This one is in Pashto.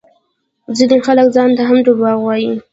ځينې خلک ځانته هم دروغ وايي